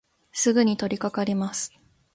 すぐにとりかかります。